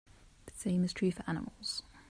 The same is true for animals.